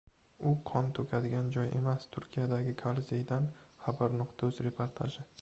U qon to‘kadigan joy emas — Turkiyadagi «Kolizey»dan «Xabar.uz» reportaji